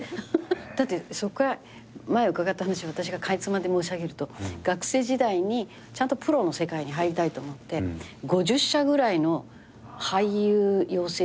だってそこから前伺った話を私がかいつまんで申し上げると学生時代にちゃんとプロの世界に入りたいと思って５０社ぐらいの俳優養成所じゃない何だ？